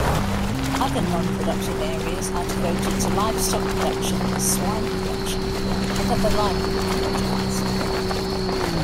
Other non-productive areas are devoted to livestock production, swine production and other livelihood projects.